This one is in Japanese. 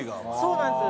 そうなんです。